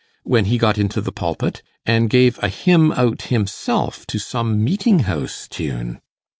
when he got into the pulpit; and gave a hymn out himself to some meeting house tune?